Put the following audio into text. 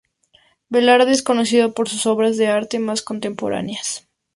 Velarde es conocido por sus obras de arte más contemporáneas.